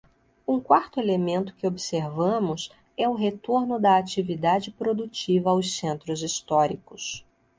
Um quarto elemento que observamos é o retorno da atividade produtiva aos centros históricos.